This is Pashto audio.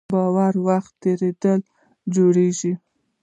باور د وخت په تېرېدو جوړېږي.